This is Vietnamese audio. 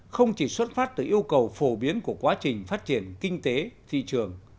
không chỉ xuất phát từ yêu cầu phổ biến của quá trình phát triển kinh tế thị trường